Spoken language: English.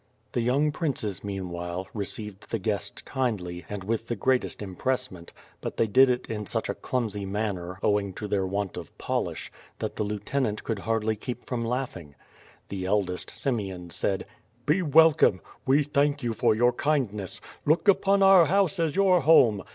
The young princes meanwhile, received the guests kindly, and with the greatest empressment, but they did it in such a clumsy manner, owing to their want of polish, that the lieutenant could hardly keep from laughing. The eldest, Simeon, said: "Be welcome! We thank you for your kindness. Look npon our house as your home.